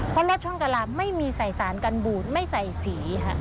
เพราะรถช่องกะลามไม่มีใส่สารกันบูดไม่ใส่สีค่ะ